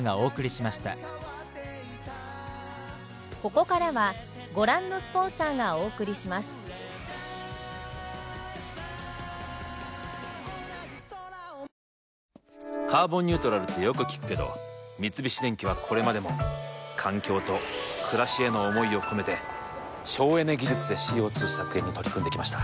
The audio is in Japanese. こだわりの一杯「ワンダ極」「カーボンニュートラル」ってよく聞くけど三菱電機はこれまでも環境と暮らしへの思いを込めて省エネ技術でＣＯ２削減に取り組んできました。